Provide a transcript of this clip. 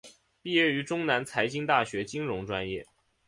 毕业于中南财经大学金融专业。